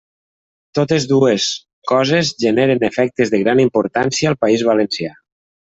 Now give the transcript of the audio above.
Totes dues coses generen efectes de gran importància al País Valencià.